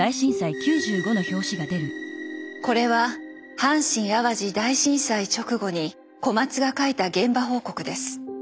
これは阪神・淡路大震災直後に小松が書いた現場報告です。